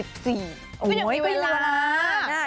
ก็ยังมีเวลา